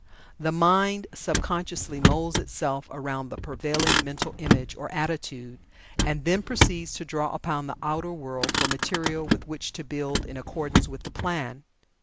The mind sub consciously moulds itself around the prevailing mental image or attitude, and then proceeds to draw upon the outer world for material with which to build in accordance with the plan.